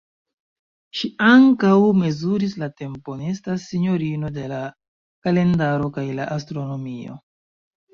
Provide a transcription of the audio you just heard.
Ŝi ankaŭ mezuris la tempon, estas Sinjorino de la Kalendaro kaj la Astronomio.